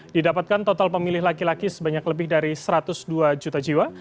didapatkan total pemilih laki laki sebanyak lebih dari satu ratus dua juta jiwa